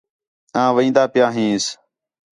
آں وین٘دا پِیا ہینس